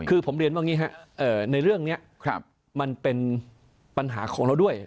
คือผมเรียนว่าอย่างนี้ครับในเรื่องนี้มันเป็นปัญหาของเราด้วย